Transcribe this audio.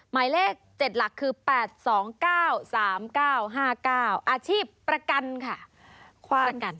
หมายเลข๗หลักคือ๘๒๙๓๙๕๙อาชีพประกันค่ะคว่างกัน